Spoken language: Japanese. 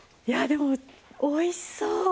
いやでもおいしそう！